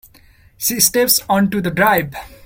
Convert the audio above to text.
She steps on to the drive.